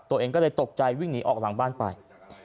ตัวเองก็เลยตกใจวิ่งหนีออกหลังบ้านไป